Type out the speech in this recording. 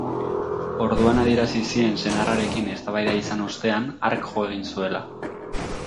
Orduan adierazi zien senarrarekin eztabaida izan ostean, hark jo egin zuela.